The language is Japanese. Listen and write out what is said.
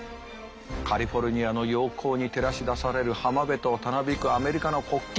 カリフォルニアの陽光に照らし出される浜辺とたなびくアメリカの国旗。